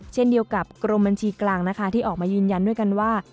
เช่นเดียวกับกรมบัญชีกลางนะคะที่ออกมายืนยันด้วยกันว่า